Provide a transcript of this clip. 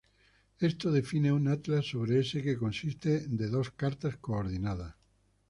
Esto define un atlas sobre "S" que consiste de dos cartas coordinadas.